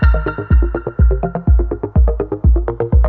hai hai your kay kamu gak papa nggak nggak papa lemme cek lined game be empat